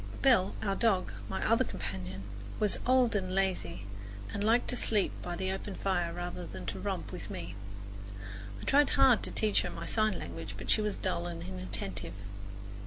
Belle, our dog, my other companion, was old and lazy and liked to sleep by the open fire rather than to romp with me. I tried hard to teach her my sign language, but she was dull and inattentive.